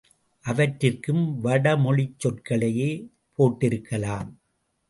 அவற்றிற்கும் வடமொழிச் சொறக்ளையே போட்டிருக்கலாம்.